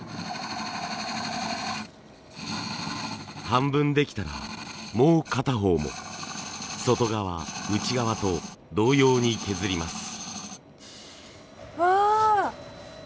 半分できたらもう片方も外側内側と同様に削ります。